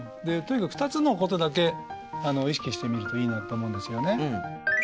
でとにかく２つのことだけ意識してみるといいなと思うんですよね。